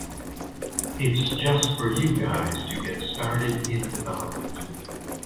It’s just for you guys to get started in development.